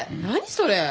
それ！